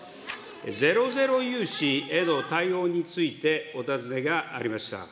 ゼロゼロ融資への対応について、お尋ねがありました。